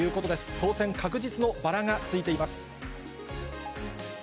当選確実のバラがついています。